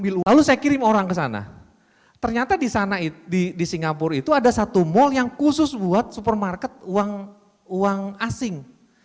lalu saya kirim orang ke sana ternyata di sana di singapura itu ada satu mal yang khusus buat supermarket uang uang asing